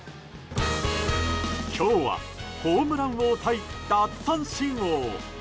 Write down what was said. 今日はホームラン王対奪三振王。